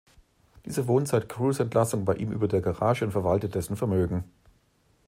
Dieser wohnt seit Crews Entlassung bei ihm über der Garage und verwaltet dessen Vermögen.